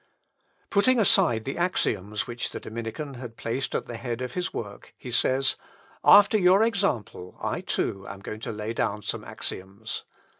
Putting aside the axioms which the Dominican had placed at the head of his work, he says, "After your example, I, too, am going to lay down some axioms."